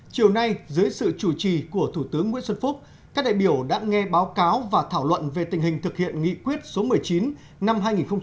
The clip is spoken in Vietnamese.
chiều nay dưới sự chủ trì của thủ tướng nguyễn xuân phúc các đại biểu đã nghe báo cáo và thảo luận về tình hình thực hiện nghị quyết số một mươi chín năm hai nghìn một mươi tám